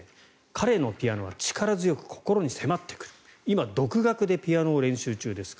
彼のピアノは力強く心に迫ってくる今、独学でピアノを練習中です